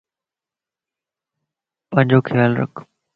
پانجو خيال رکَ